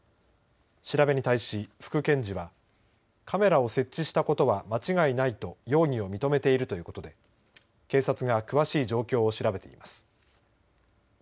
調べに対し副検事はカメラを設置したことは間違いないと容疑を認めているということで警察が詳しい状況を調べています。